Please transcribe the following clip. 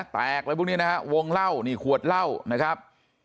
แตกแล้วพวกนี้นะครับวงเหล้านี่ขวดเหล้านะครับ